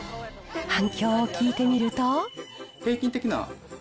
反響を聞いてみると。